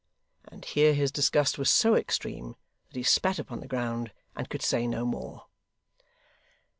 and here his disgust was so extreme that he spat upon the ground, and could say no more.